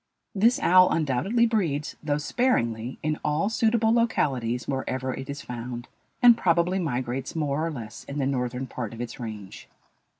This owl undoubtedly breeds, though sparingly, in all suitable localities wherever it is found, and probably migrates more or less in the northern part of its range.